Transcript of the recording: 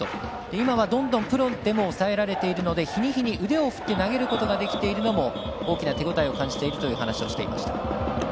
今はどんどんプロでも抑えられているので日に日に、腕を振って投げることができているのも大きな手応えを感じているという話をしていました。